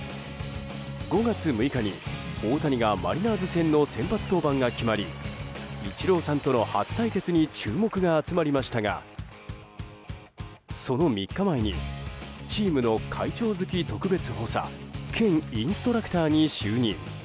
５月６日に大谷がマリナーズ戦の先発登板が決まりイチローさんとの初対決に注目が集まりましたがその３日前チームの会長付特別補佐兼インストラクターに就任。